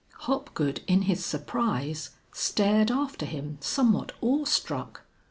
Hopgood in his surprise stared after him somewhat awe struck.